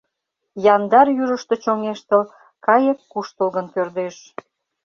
Яндар южышто чоҥештыл, Кайык куштылгын пӧрдеш.